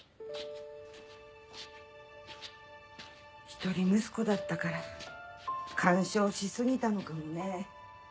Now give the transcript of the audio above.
一人息子だったから干渉しすぎたのかもね。